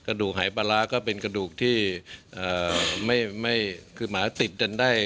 ดูหายปลาร้าก็เป็นกระดูกที่ไม่คือหมาติดกันได้